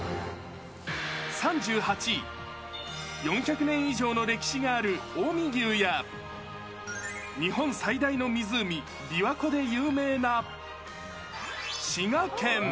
３８位、４００年以上の歴史がある近江牛や、日本最大の湖、琵琶湖で有名な滋賀県。